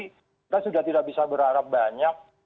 kita sudah tidak bisa berharap banyak